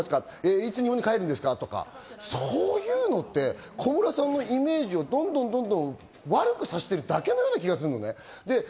いつ日本に帰るんですか？とか、そういうのって小室さんのイメージをどんどん悪くさせてるだけのような気がするのね。